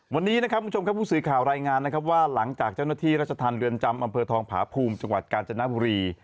วันนี้นะครับคุณผู้ชมครับผู้สื่อข่าวรายงานนะครับว่าหลังจากเจ้าหน้าที่รัชธรรมเรือนจำอำเภอทองผาภูมิจังหวัดกาญจนบุรี